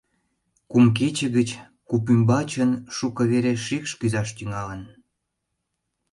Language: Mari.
Кум кече гыч куп ӱмбачын шуко вере шикш кӱзаш тӱҥалын.